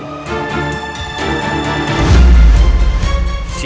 saya sudah berusaha untuk mencuri